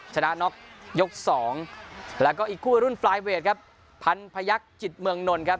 ชนะน็อกยกสองแล้วก็อีกคู่รุ่นปลายเวทครับพันพยักษ์จิตเมืองนนท์ครับ